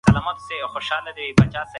اندېښنه د ناپوهۍ نښه ده.